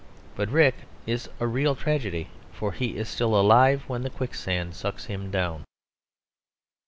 But Rick is a real tragedy, for he is still alive when the quicksand sucks him down.